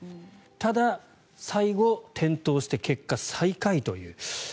ただ、最後転倒して結果、最下位という。